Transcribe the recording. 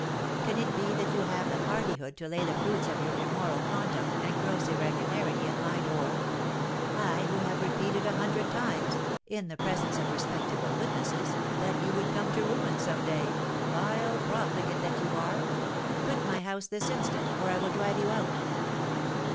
Can it be that you have the hardihood to lay the fruits of your immoral conduct and gross irregularity at my door, I, who have repeated a hundred times, in the presence of respectable witnesses, that you would come to ruin some day, vile profligate that you are? Quit my house this instant, or I will drive you out!'"